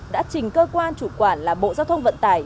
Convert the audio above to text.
đã trình cơ quan chủ quản là bộ giao thông vận tải